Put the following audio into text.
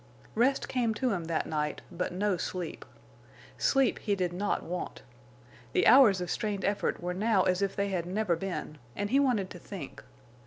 Rest came to him that night, but no sleep. Sleep he did not want. The hours of strained effort were now as if they had never been, and he wanted to think.